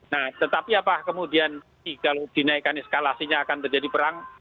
nah tetapi apa kemudian kalau dinaikkan eskalasinya akan terjadi perang